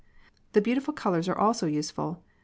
The beautiful colors are also useful.